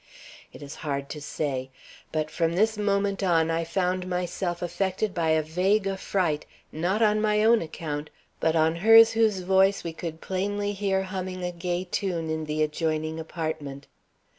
It is hard to say; but from this moment on I found myself affected by a vague affright, not on my own account, but on hers whose voice we could plainly hear humming a gay tune in the adjoining apartment.